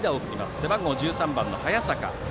背番号１３番の早坂。